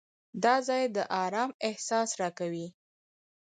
دا ځای د آرام احساس راکوي.